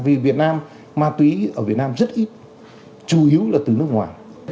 vì việt nam ma túy ở việt nam rất ít chủ yếu là từ nước ngoài